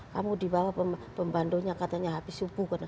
kamu dibawa pembantunya katanya habis subuh